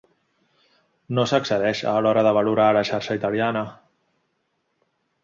No s'excedeix a l'hora de valorar la xarxa italiana.